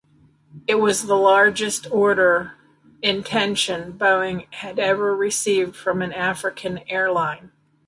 It was the largest order intention Boeing had ever received from an African airline.